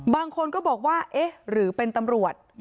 บางคนก็บอกว่าเอ๊ะหรือเป็นตำรวจ